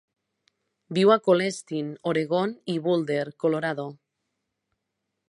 Viu a Colestin, Oregon i Boulder, Colorado.